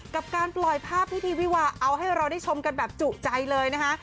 กับการปล่อยภาพพิธีวิวาเอาให้เราได้ชมกันแบบจุใจเลยนะคะ